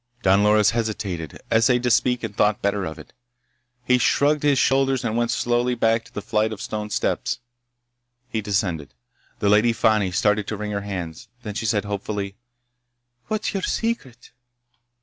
Don Loris hesitated, essayed to speak, and thought better of it. He shrugged his shoulders and went slowly back to the flight of stone steps. He descended. The Lady Fani started to wring her hands. Then she said hopefully: "What's your secret?"